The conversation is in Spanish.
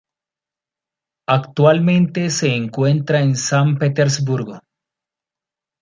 Actualmente se encuentra en San Petersburgo.